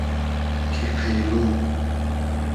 کی قݷرۉ